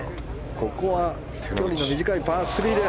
ここは距離の短いパー３です。